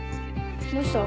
どうした？